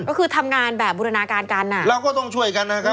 ก็คือทำงานแบบบูรณาการกันอ่ะเราก็ต้องช่วยกันนะครับ